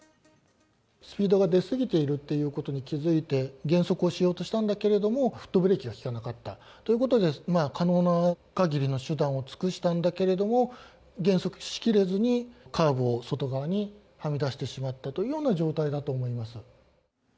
スピードが出過ぎているということに気付いて、減速をしようとしたんだけれども、フットブレーキが利かなかったということで、可能な限りの手段を尽くしたんだけれども、減速しきれずに、カーブを外側にはみ出してしまったというような状態だと思います。